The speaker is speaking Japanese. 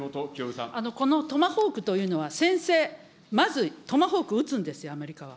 このトマホークというのは、先制、まずトマホークを撃つんですよ、アメリカは。